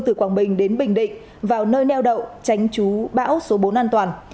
từ quảng bình đến bình định vào nơi neo đậu tránh chú bão số bốn an toàn